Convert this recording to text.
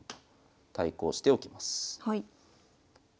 対抗しておきます。